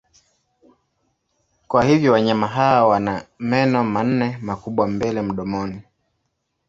Kwa hivyo wanyama hawa wana meno manne makubwa mbele mdomoni.